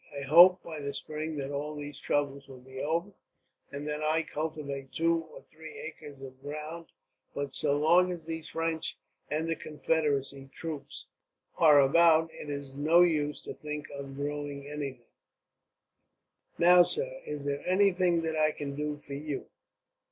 I hope, by the spring, that all these troubles will be over, and then I cultivate two or three acres of ground; but so long as these French, and the Confederacy troops, who are as bad, are about, it is no use to think of growing anything. "Now, sir, is there anything that I can do for you?"